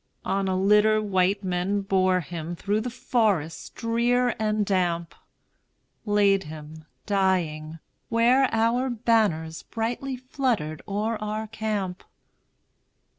On a litter white men bore him Through the forest drear and damp, Laid him, dying, where our banners Brightly fluttered o'er our camp.